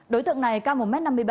đối tượng này cao một m năm mươi ba